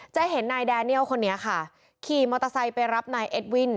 จะเห็นนายแดเนียลคนนี้ค่ะขี่มอเตอร์ไซค์ไปรับนายเอ็ดวิน